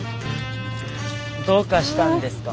どうかしたんですか？